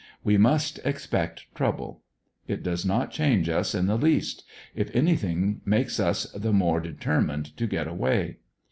We must expect trouble. It does not change us in the least; if anything, makes us the more detei mined to get away.